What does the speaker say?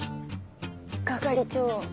係長。